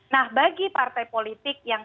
nah bagi partai politik yang